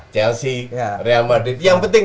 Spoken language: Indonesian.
chelsea real madrid yang penting